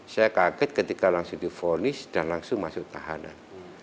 saya kaget ketika langsung difonis dan langsung masuk tahanan